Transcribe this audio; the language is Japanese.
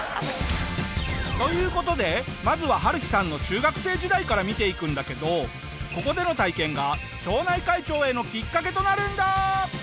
という事でまずはハルヒさんの中学生時代から見ていくんだけどここでの体験が町内会長へのきっかけとなるんだ。